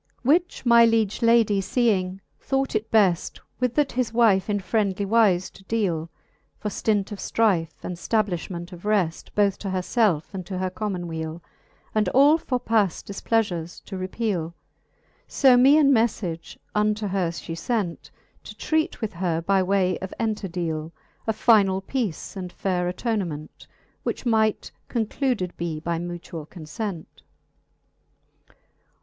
Which my liege lady feeing, thought it beflr, With that his wife In friendly wife to dealc. For ftint of ftrife, and ftabliihnient of reft Both to her felfe, and to her common weale, And all forepaft difpleafures to repeale. So me in mellage unto her fhe fent, To treat with her by way of enterdeale. Of finall peace and faire attonement, Which might concluded be by mutuall confent.